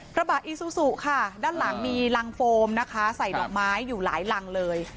กระบะอีซูซูค่ะด้านหลังมีรังโฟมนะคะใส่ดอกไม้อยู่หลายรังเลย